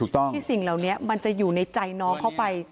ที่สิ่งเหล่านี้มันจะอยู่ในใจน้องเข้าไป